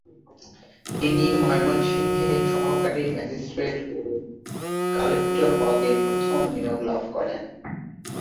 তিনি ময়মনসিংহে সহকারী ম্যাজিস্ট্রেট ও কালেক্টর পদে প্রথম নিয়োগ লাভ করেন।